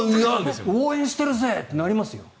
応援してるぜ！ってなりますよ。